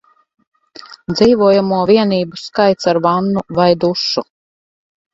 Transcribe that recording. Dzīvojamo vienību skaits ar vannu vai dušu